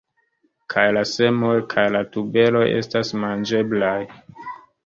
Kaj la semoj kaj la tuberoj estas manĝeblaj.